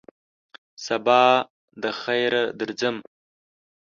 سبا دخیره درځم !